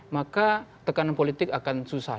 maka tekanan politik akan susah